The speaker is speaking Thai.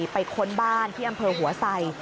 ค้นบ้านที่อำเภอหัวไส